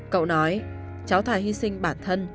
cậu nói cháu thải hy sinh bản thân